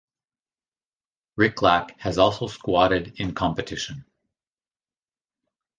Rychlak has also squatted in competition.